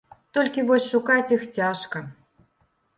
Толькі вось шукаць іх цяжка.